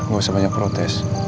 gak usah banyak protes